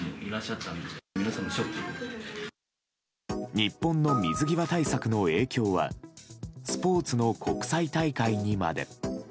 日本の水際対策の影響はスポーツの国際大会にまで。